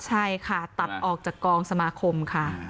ใช่ค่ะตัดออกจากกองสมาคมค่ะ